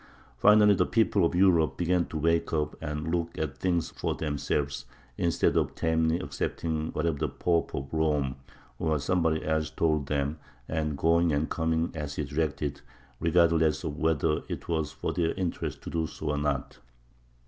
Finally the people of Europe began to wake up and look at things for themselves, instead of tamely accepting whatever the Pope of Rome or somebody else told them, and going and coming as he directed, regardless of whether it was for their interest to do so or not.